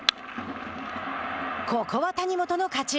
ここは谷元の勝ち。